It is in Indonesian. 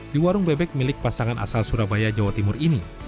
di warung bebek milik pasangan asal surabaya jawa timur ini